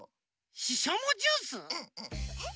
ししゃもジュース！？